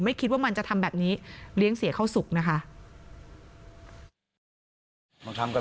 คิดว่ามันจะทำแบบนี้เลี้ยงเสียเข้าสุขนะคะ